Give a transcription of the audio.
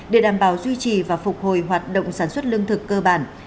để đảm bảo duy trì và phục hồi hoạt động sản xuất lương thực cơ bản